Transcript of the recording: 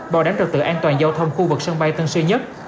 bảo đảm trực tự an toàn giao thông khu vực sân bay tân sơn nhất